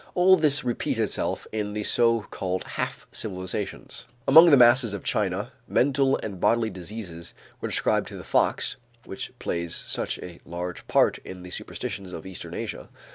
All this repeats itself in the so called half civilizations. Among the masses of China, mental and bodily diseases were ascribed to the fox, which plays such a large part in the superstitions of eastern Asia.